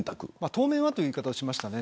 当面はという言い方をしましたね。